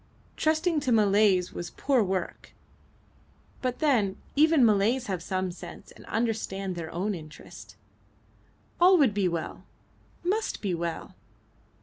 Trusting to Malays was poor work; but then even Malays have some sense and understand their own interest. All would be well must be well.